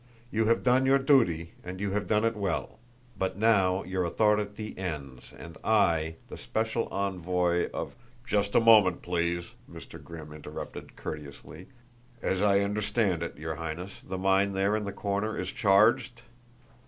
You have done your duty and you have done it well; but now your authority ends, and I, the special envoy of " "Just a moment, please," Mr. Grimm interrupted courteously. "As I understand it, your Highness, the mine there in the corner is charged?"